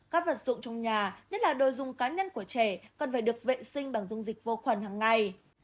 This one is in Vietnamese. các vật dụng trong nhà nhất là đồ dùng cá nhân của trẻ cần phải được vệ sinh bằng dung dịch vô khuẩn hằng ngày